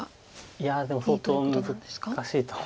いやでも相当難しいと思います。